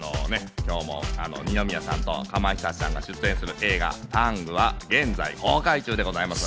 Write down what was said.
二宮さんとかまいたちさんが出演する映画『ＴＡＮＧタング』は現在公開中でございます。